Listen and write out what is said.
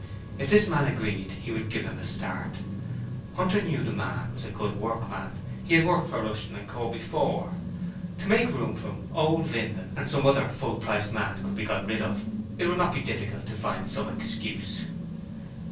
If this man agreed he would give him a start. Hunter knew the man was a good workman, he had worked for Rushton & Co. before. To make room for him old Linden and some other full price man could be got rid of; it would not be difficult to find some excuse.